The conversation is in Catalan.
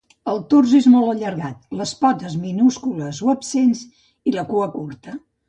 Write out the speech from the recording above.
El tors és molt allargat, les potes minúscules o absents, i la cua curta.